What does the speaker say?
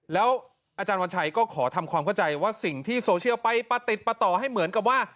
แล้วอาจารย์วันชัยก็ขอทำความเข้าใจว่าสิ่งที่โซเชียลไปประติดประต่อให้เหมือนกับว่า